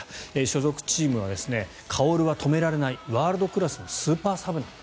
所属チームは、薫は止められないワールドクラスのスーパーサブだ。